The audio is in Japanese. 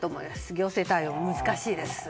行政対応は難しいです。